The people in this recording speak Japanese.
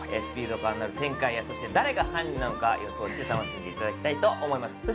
スピード感のある展開やそして誰が犯人なのか予想して楽しんでいただきたいと思います